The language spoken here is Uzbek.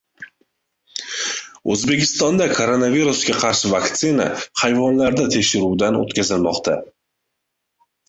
O‘zbekistonda koronavirusga qarshi vaktsina hayvonlarda tekshiruvdan o‘tkazilmoqda